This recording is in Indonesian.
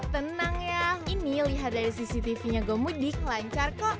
tenang ya ini lihat dari cctv nya go mudik lancar kok